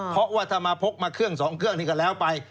เพราะว่าถ้ามาพกมาเครื่องสองเครื่องนี่ก็แล้วไป